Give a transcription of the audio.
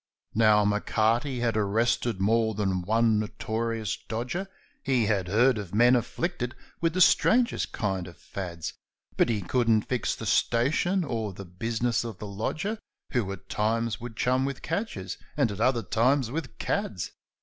Now, M'Carty had arrested more than one notorious dodger, He had heard of men afflicted with the strangest kind of fads, But he couldn't fix the station or the business of the lodger, Who at times would chum with cadgers, and at other times with cads.